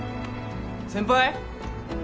先輩？